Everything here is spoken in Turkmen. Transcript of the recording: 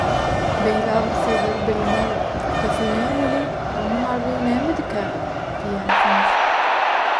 „Beýle agyr sözleri diline alyp, kösenýär welin, onuň arzuwy nämedikä?“ diýýänsiňiz.